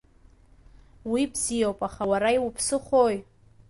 Уи бзиоуп, аха уара иуԥсыхәои?